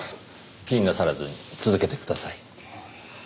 気になさらずに続けてください。